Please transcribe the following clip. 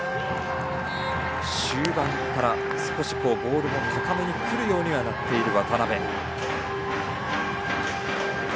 終盤から少しボールも高めにくるようになっている渡邊。